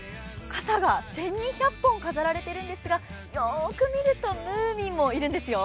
傘が１２００本、飾られているんですがよーく見ると、ムーミンもいるんですよ。